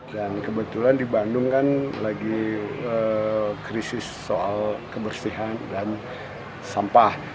dan kebetulan di bandung kan lagi krisis soal kebersihan dan sampah